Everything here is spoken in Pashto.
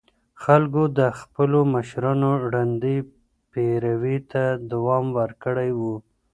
خلګو د خپلو مشرانو ړندې پيروي ته دوام ورکړی و.